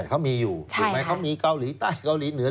เขามีอยู่ถูกไหมเขามีเกาหลีใต้เกาหลีเหนือ